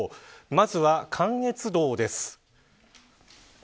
まずは関越道です。